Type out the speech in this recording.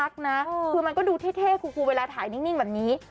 คือมันก็ดูเท่คูเวลาถ่ายนิ่งแบบนี้